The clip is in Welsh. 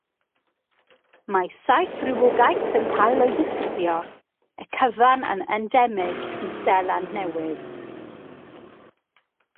Mae saith rhywogaeth yn cael eu disgrifio, y cyfan yn endemig i Seland Newydd.